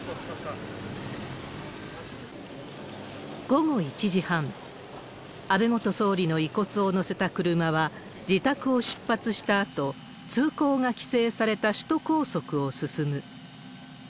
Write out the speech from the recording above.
午後１時半、安倍元総理の遺骨を乗せた車は自宅を出発したあと、通行が規制された首都高速を進む。